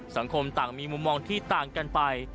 สังคมต่างมีมุมมองที่ต่างกันไป